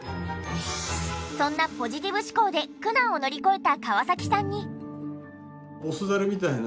そんなポジティブ思考で苦難を乗り越えた河崎さんに。